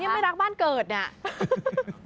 นี่ยังไม่รักบ้านเกิดเนี่ย